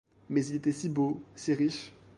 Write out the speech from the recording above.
Mais il était si beau, si riche.